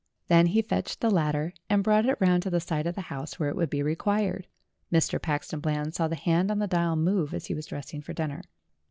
Then he fetched the ladder and brought it round to the side of the house where it would be required. Mr. Paxton Bland saw the hand on the dial move, as he was dressing for dinner.